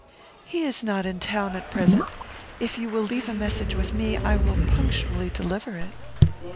"He is not in town at present. If you will leave a message with me, I will punctually deliver it."